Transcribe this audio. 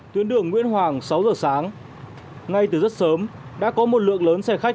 tuyến đường nguyễn hoàng sáu giờ sáng ngay từ rất sớm đã có một lượng lớn xe khách